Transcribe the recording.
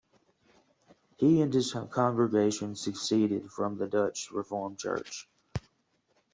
He and his congregation seceded from the Dutch Reformed Church.